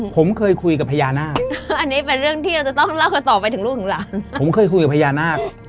ผมเคยคุยกับพญานาคผมเคยคุยกับพญานาค